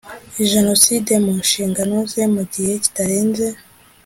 jenoside mu nshingano ze mu gihe kitarenze